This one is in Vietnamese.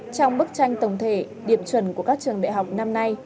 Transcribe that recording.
trong bức tranh tổng thể điểm chuẩn của các trường đại học năm nay